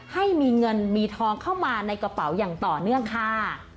ให้มีเงินมีทองเข้ามาในกระเป๋าอย่างต่อเนื่องค่ะ